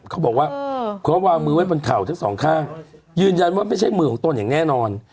เขาบอกว่าเขาวางมือไว้บนเข่าทั้งสองข้างยืนยันว่าไม่ใช่มือของตนอย่างแน่นอน